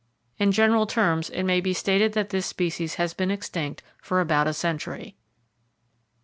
In general terms it may be stated that this species has been extinct for about a century.